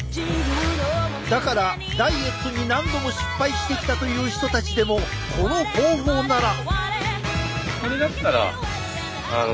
だからダイエットに何度も失敗してきたという人たちでもこの方法なら。